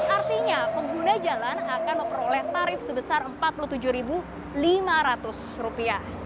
artinya pengguna jalan akan memperoleh tarif sebesar rp empat puluh tujuh lima ratus